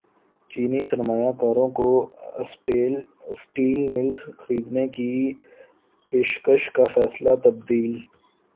چینی سرمایہ کاروں کو اسٹیل ملز خریدنے کی پیشکش کا فیصلہ تبدیل